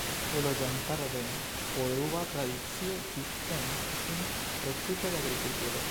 La loĝantaro de Poruba tradicie vivtenis sin precipe de agrikulturo.